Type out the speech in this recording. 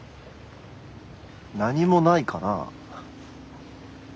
何もないかなあ？